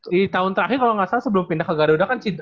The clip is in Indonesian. di tahun terakhir kalau nggak salah sebelum pindah ke garuda kan